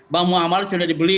bang mu'ammal itu sudah dibeli